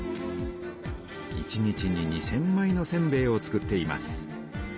一日に２，０００まいのせんべいを作っています。